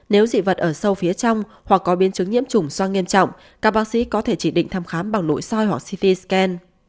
nếu dị vật ở sâu phía trong hoặc có biến chứng nhiễm chủng soa nghiêm trọng các bác sĩ có thể chỉ định thăm khám bằng nội soi hoặc city scan